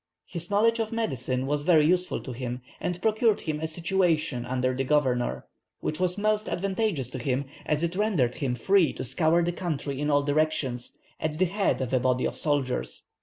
His knowledge of medicine was very useful to him, and procured him a situation under the governor, which was most advantageous to him, as it rendered him free to scour the country in all directions, at the head of a body of soldiers.